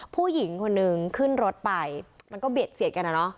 ผู้หญิงคนนึงขึ้นรถไปมันก็เบียดเสียดกันอะเนาะ